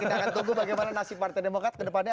kita akan tunggu bagaimana nasib partai demokrasi